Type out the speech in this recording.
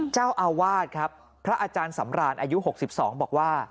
เจ้าอาวาสครับพระอาจารย์สำราญอายุ๖๒บอกว่า